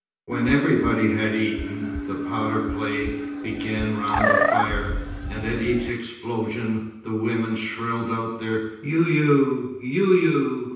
When everybody had eaten, the powder play began round the fire, and at each explosion the women shrilled out their "you you, you you!"